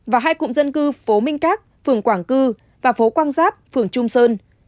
và hai cụm dân cư phố minh các phường quảng cư và phố quang giáp phường trung sơn